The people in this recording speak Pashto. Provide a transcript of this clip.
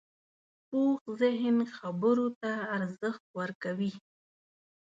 پوخ ذهن خبرو ته ارزښت ورکوي